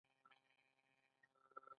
زړه په بدن کې چیرته موقعیت لري